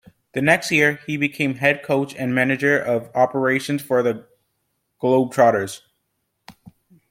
The next year, he became head coach and manager of operations for the Globetrotters.